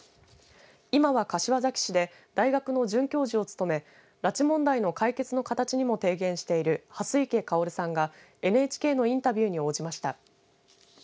今は柏崎市で大学の准教授を務め拉致問題の解決の形にも提言している蓮池薫さんがＮＨＫのインタビューに応じました。